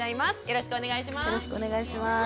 よろしくお願いします。